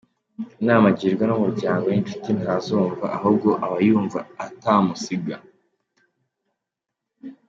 Inama agirwa n’umuryango n’inshuti ntazumva ahubwo abayumva atamusiga.